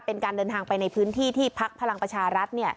เป็นการเดินทางไปในพื้นที่ที่พักพลังประชารัฐ